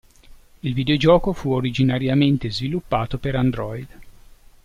Il videogioco fu originariamente sviluppato per Android.